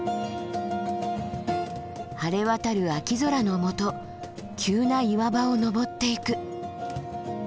晴れ渡る秋空のもと急な岩場を登っていく。